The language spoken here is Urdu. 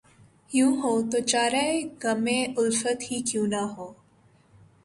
یوں ہو‘ تو چارۂ غمِ الفت ہی کیوں نہ ہو